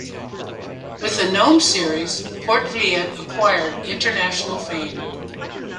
With the Gnomes series Poortvliet acquired international fame.